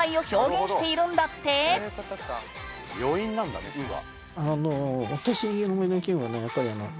余韻なんだね「ン」は。